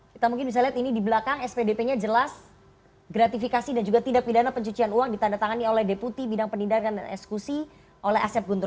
kita mungkin bisa lihat ini di belakang spdp nya jelas gratifikasi dan juga tindak pidana pencucian uang ditandatangani oleh deputi bidang penindakan dan eksekusi oleh asep guntur